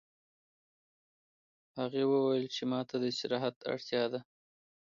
هغې وویل چې ما ته د استراحت اړتیا ده